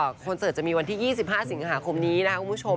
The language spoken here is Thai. คอนเสิร์ตจะมีวันที่๒๕สิงหาคมนี้นะครับคุณผู้ชม